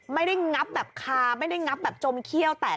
งับแบบคาไม่ได้งับแบบจมเขี้ยวแตก